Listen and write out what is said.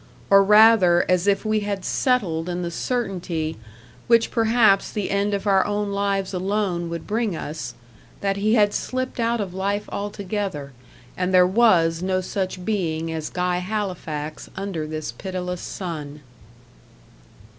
Or rather, as if we had settled in the certainty, which perhaps the end of our own lives alone would bring us, that he had slipped out of life altogether, and there was no such being as Guy Halifax under this pitiless sun.